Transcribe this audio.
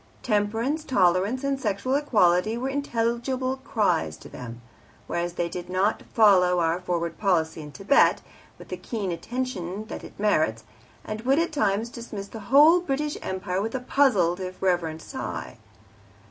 Temperance, tolerance, and sexual equality were intelligible cries to them; whereas they did not follow our Forward Policy in Thibet with the keen attention that it merits, and would at times dismiss the whole British Empire with a puzzled, if reverent, sigh.